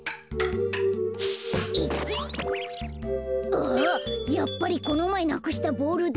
あやっぱりこのまえなくしたボールだ。